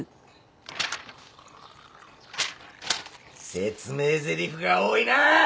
説明ぜりふが多いなぁ！